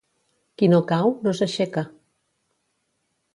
Qui no cau, no s'aixeca.